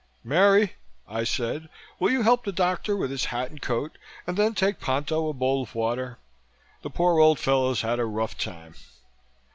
"Mary," I said, "will you help the doctor with his hat and coat and then take Ponto a bowl of water. The poor old fellow's had a rough time."